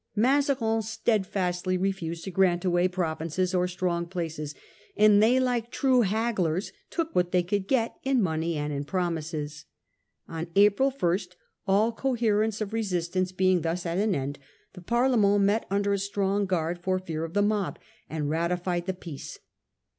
Mazarin steadfastly refused to grant away provinces or strong places, and they like true hagglers took what they could get in money and in promises. On April 1, all coher ence of resistance being thus at an end, the Parlement met under a strong guard, for fear of the mob, and ratified the peace.